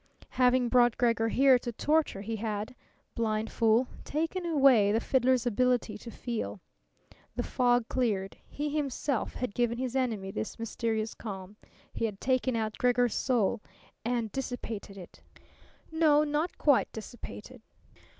Having brought Gregor here to torture he had, blind fool, taken away the fiddler's ability to feel. The fog cleared. He himself had given his enemy this mysterious calm. He had taken out Gregor's soul and dissipated it. No. Not quite dissipated.